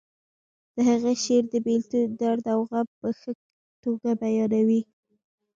د هغه شعر د بیلتون درد او غم په ښه توګه بیانوي